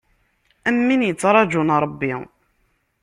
Am win yettraǧun Ṛebbi.